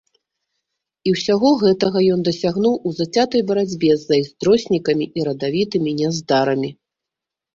І ўсяго гэтага ён дасягнуў у зацятай барацьбе з зайздроснікамі і радавітымі няздарамі.